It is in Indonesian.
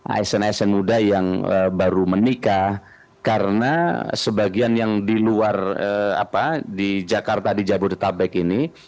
asn asn muda yang baru menikah karena sebagian yang di luar jakarta di jabodetabek ini